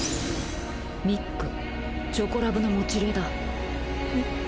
ミックチョコラブの持霊だ。え？